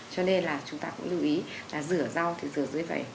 cho nên là chúng ta cũng lưu ý là rửa rau từ rửa dưới vầy